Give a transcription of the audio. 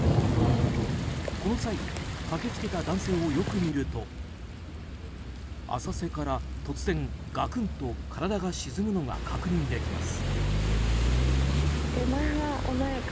この際、駆け付けた男性をよく見ると浅瀬から突然、がくんと体が沈むのが確認できます。